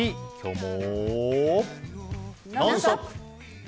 「ノンストップ！」。